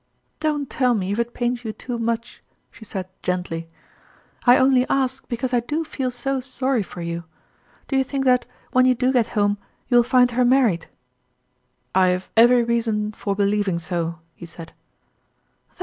" Don't tell me if it pains you too much," she said gently. " I only ask because I do feel QTlje JFonrtt) Ort)eqite. 89 so sorry for you. Do yon think that, when you do get home, you will find her married ?"" I have every reason for believing so," he said.